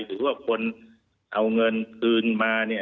หรือคนเอาเงินพื้นมา